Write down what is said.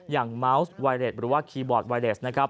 อย่างเมาส์ไวเลสหรือว่าคีย์บอร์ดไวเลส